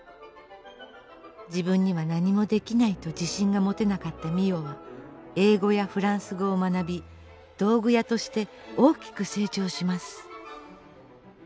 自分には何もできないと自信が持てなかった美世は英語やフランス語を学び道具屋として大きく成長します。